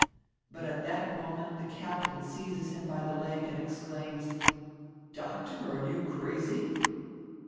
But at that moment the captain seizes him by the leg and exclaims: 'Doctor, are you crazy?'"